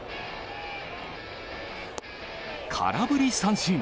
空振り三振。